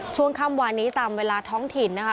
ช่วงค่ำวานนี้ตามเวลาท้องถิ่นนะคะ